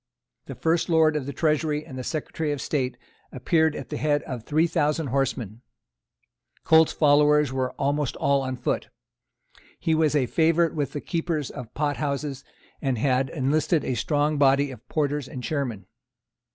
The first Lord of the Treasury and the Secretary of State appeared at the head of three thousand horsemen. Colt's followers were almost all on foot. He was a favourite with the keepers of pot houses, and had enlisted a strong body of porters and chairmen.